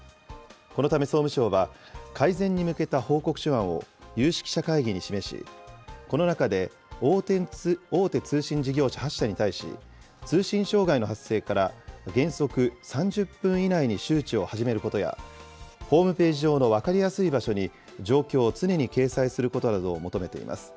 このため総務省は、改善に向けた報告書案を有識者会議に示し、この中で、大手通信事業者８社に対し、通信障害の発生から原則３０分以内に周知を始めることや、ホームページ上の分かりやすい場所に状況を常に掲載することなどを求めています。